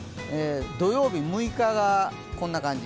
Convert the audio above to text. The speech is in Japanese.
土曜日６日が、こんな感じ。